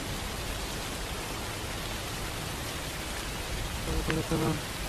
এরপর স্থানীয় লোকজন ঘরের দরজা ভেঙে ফরিদা বেগমকে দগ্ধ অবস্থায় দেখতে পান।